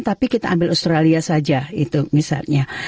tapi kita ambil australia saja itu misalnya